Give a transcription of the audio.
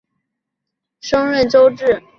政和三年升润州置。